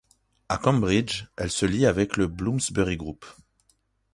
À Cambridge, elle se lie avec le Bloomsbury Group.